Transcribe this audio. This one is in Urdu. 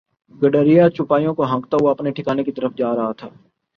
گڈریا چوپایوں کو ہانکتا ہوا اپنے ٹھکانے کی طرف جا رہا تھا